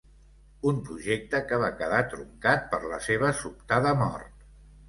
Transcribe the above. Un projecte que va quedar truncat per la seva sobtada mort.